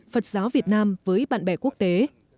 phật giáo việt nam với bạn bè quốc tế